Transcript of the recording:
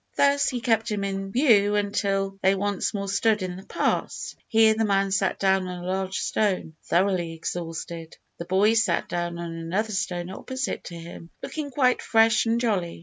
Thus he kept him in view until they once more stood in the pass. Here the man sat down on a large stone, thoroughly exhausted. The boy sat down on another stone opposite to him, looking quite fresh and jolly.